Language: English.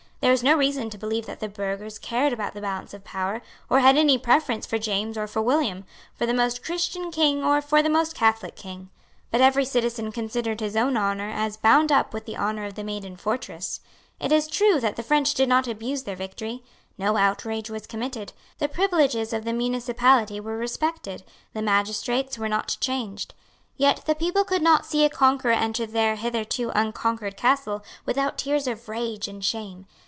There is no reason to believe that the burghers cared about the balance of power, or had any preference for James or for William, for the Most Christian King or for the Most Catholic King. But every citizen considered his own honour as bound up with the honour of the maiden fortress. It is true that the French did not abuse their victory. No outrage was committed; the privileges of the municipality were respected, the magistrates were not changed. Yet the people could not see a conqueror enter their hitherto unconquered castle without tears of rage and shame.